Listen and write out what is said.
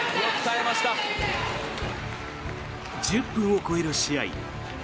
１０分を超える試合。